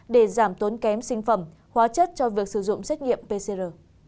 để giảm tốn kém sinh phẩm hóa chất cho việc sử dụng xét nghiệm pcr